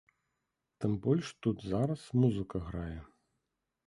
Тым больш тут зараз музыка грае.